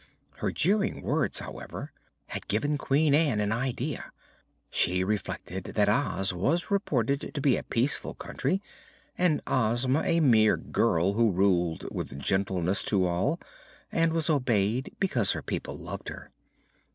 Her jeering words, however, had given Queen Ann an idea. She reflected that Oz was reported to be a peaceful country and Ozma a mere girl who ruled with gentleness to all and was obeyed because her people loved her.